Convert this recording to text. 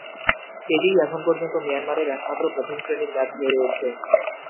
এটিই এখন পর্যন্ত মিয়ানমারের একমাত্র প্রথম শ্রেণীর ম্যাচ হয়ে রয়েছে।